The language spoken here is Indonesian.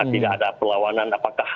tidak ada perlawanan apakah